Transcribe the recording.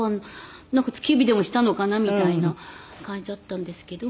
なんか突き指でもしたのかなみたいな感じだったんですけども。